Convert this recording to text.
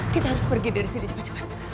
kita harus pergi dari sini cepet cepet